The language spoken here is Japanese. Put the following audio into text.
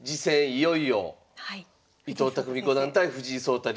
いよいよ伊藤匠五段対藤井聡太